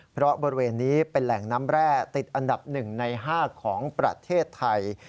เพราะบริเวณนี้เป็นแหล่งน้ำแร่ติดอันดับ๑ใน๕ของประเทศไทย